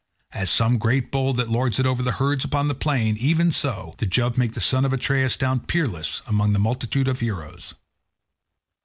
As some great bull that lords it over the herds upon the plain, even so did Jove make the son of Atreus stand peerless among the multitude of heroes.